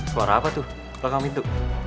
suara apa tuh belakang itu